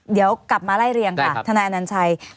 เดี๋ยวกลับมาไล่เรียงค่ะทนายอนัญชัย